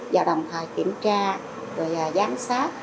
vào đồng thời kiểm tra giám sát